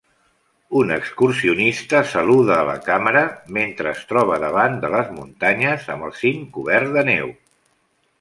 Un excursionista saluda a la càmera mentre es troba davant de les muntanyes amb el cim cobert de neu.